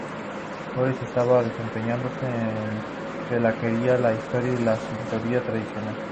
Borís estaba desempeñándose en lo que más quería, la historia, y el esoterismo tradicional.